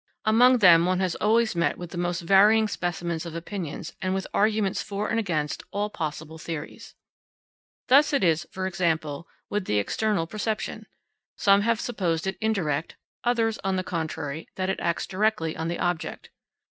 Among them one has always met with the most varying specimens of opinions and with arguments for and against all possible theories. Thus it is, for example, with the external perception. Some have supposed it indirect, others, on the contrary, that it acts directly on the object.